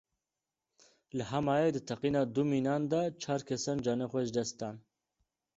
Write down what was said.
Li Hemayê di teqîna du mînan de çar kesan canê xwe ji dest dan.